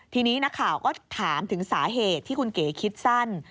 ทีนี้นักข่าวก็ถามถึงสาเหตุที่คุณเก๋คิดสั้น